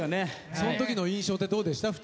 そのときの印象ってどうでした？